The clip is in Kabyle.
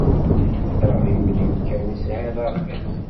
D aɣyul-iw kan i sɛiɣ d arfiq.